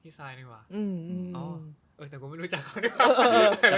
พี่สายนี่ปะเออแต่ก็ไม่รู้จักเค้าทำลายพี่สาย